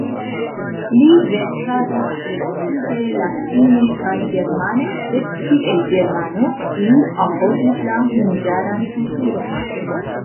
Li verkadis precipe latine kaj germane, sed kiel germano, li apogis la hungaran kulturon.